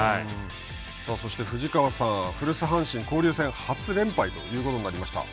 そして、藤川さん古巣阪神、交流戦初連敗ということになりました。